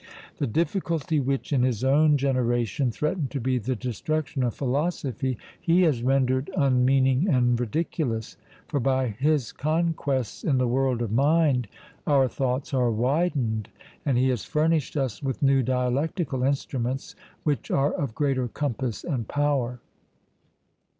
The difficulty which in his own generation threatened to be the destruction of philosophy, he has rendered unmeaning and ridiculous. For by his conquests in the world of mind our thoughts are widened, and he has furnished us with new dialectical instruments which are of greater compass and power.